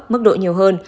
mức độ nhiều hơn